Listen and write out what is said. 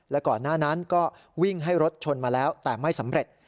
และก่อนหน้านั้นก็วิ่งให้รถชนมาแล้วแต่ไม่สำเร็จ